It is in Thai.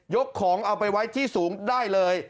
ของเอาไปไว้ที่สูงได้เลย